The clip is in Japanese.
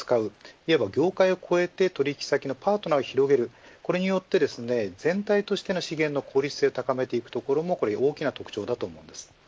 いわば業界を越えて取引先のパートナーを広げるこれによって全体としての資源の効率性を高めていくところも大きな特徴だと思います。